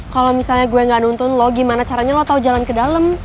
kalau misalnya gue gak nonton lo gimana caranya lo tau jalan ke dalam